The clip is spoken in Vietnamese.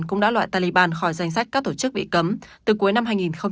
cũng đã loại taliban khỏi danh sách các tổ chức bị cấm từ cuối năm hai nghìn một mươi ba